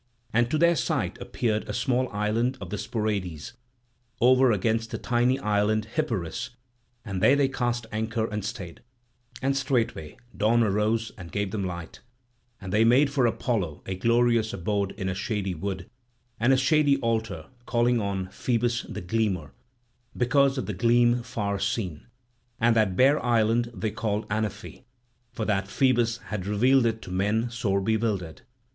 And to their sight appeared a small island of the Sporades, over against the tiny isle Hippuris, and there they cast anchor and stayed; and straightway dawn arose and gave them light; and they made for Apollo a glorious abode in a shady wood, and a shady altar, calling on Phoebus the "Gleamer", because of the gleam far seen; and that bare island they called Anaphe, for that Phoebus had revealed it to men sore bewildered.